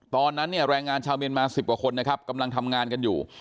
ตอนนั้นเนี่ยแรงงานชาวเมียนมา๑๐กว่าคนนะครับกำลังทำงานกันอยู่